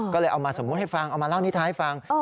ก็เลยเอามาสมมุติให้ฟังเอามาเล่านิท้ายฟัง